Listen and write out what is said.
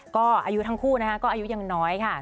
ก็อายุทั้งคู่นะคะก็อายุยังน้อยค่ะ